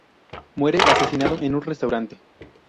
Muere asesinado en un restaurante.